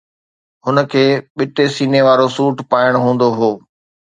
هن کي ٻٽي سيني وارو سوٽ پائڻ هوندو هو.